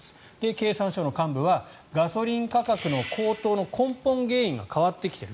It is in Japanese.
経産省の幹部はガソリン価格の高騰の根本原因が変わってきている。